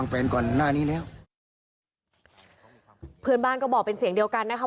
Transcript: เพื่อนบ้านก็บอกเป็นเสียงเดียวกันนะคะ